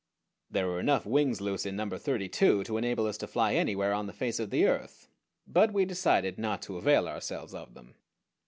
There were enough wings loose in number thirty two to enable us to fly anywhere on the face of the earth; but we decided not to avail ourselves of them.